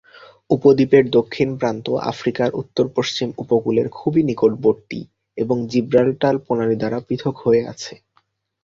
উপদ্বীপের দক্ষিণ প্রান্ত আফ্রিকার উত্তরপশ্চিম উপকূলের খুবই নিকটবর্তী এবং জিব্রাল্টার প্রণালী দ্বারা পৃথক হয়ে আছে।